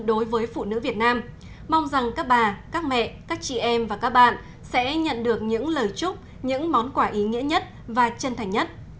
đối với phụ nữ việt nam mong rằng các bà các mẹ các chị em và các bạn sẽ nhận được những lời chúc những món quà ý nghĩa nhất và chân thành nhất